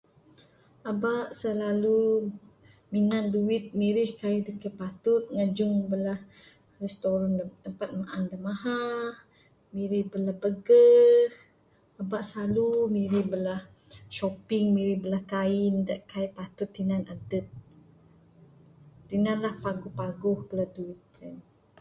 Aba silalu minan duit mirih kayuh da kaik patut ngajung Bala restaurant da tampat maan da mahar. Mirih bala burger aba silalu mirih bala shopping mirih bala kain kaik patut tinan adep. Tinan lah paguh paguh bala duit sien.